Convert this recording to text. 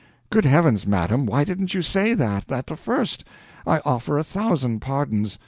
"Good heavens, madam, why didn't you say that at first! I offer a thousand pardons.